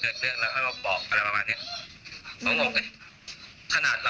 ที่ลอตเตอรี่เขาหายเขาพูดอยู่ว่ามันหายเป็นไงนี่ยังพูดอยู่